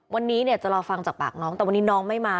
วันนี้เนี่ยจะรอฟังจากปากน้องแต่วันนี้น้องไม่มา